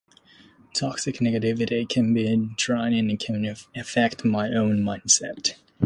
Toxic negativity can be draining and can affect my own mindset.